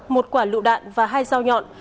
một quả lựu đạn và hai dao nhọn